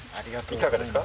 いかがですか。